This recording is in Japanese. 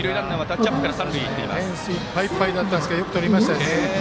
フェンスいっぱいいっぱいだったんですがよくとりましたよね。